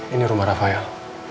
ini rumah raffael